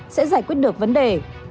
sẽ giải quyết được vấn đề